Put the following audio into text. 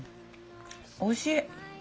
おいしい。